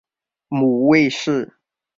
母魏氏。